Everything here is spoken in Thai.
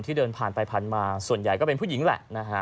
ที่เดินผ่านไปผันมาส่วนใหญ่ก็เป็นผู้หญิงแหละ